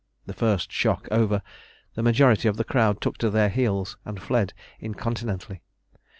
The first shock over, the majority of the crowd took to their heels and fled incontinently.